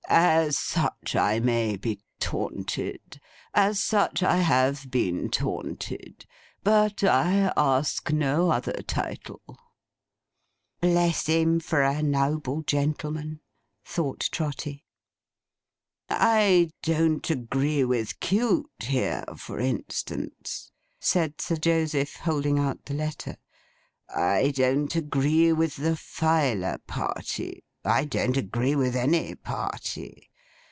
'As such I may be taunted. As such I have been taunted. But I ask no other title.' 'Bless him for a noble gentleman!' thought Trotty. 'I don't agree with Cute here, for instance,' said Sir Joseph, holding out the letter. 'I don't agree with the Filer party. I don't agree with any party.